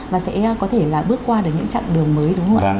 và sẽ có thể bước qua những chặng đường mới